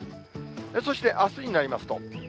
そしてあすになりますと。